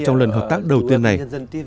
trong lần hợp tác đầu tiên này